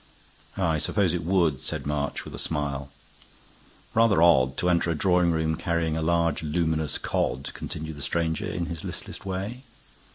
"I suppose it would," said March, with a smile. "Rather odd to enter a drawing room carrying a large luminous cod," continued the stranger, in his listless way.